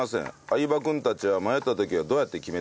相葉君たちは迷った時はどうやって決めてますか？と。